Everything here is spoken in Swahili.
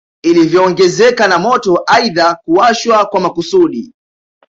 Ilivyoongezeka na moto aidha kuwashwa kwa makusudi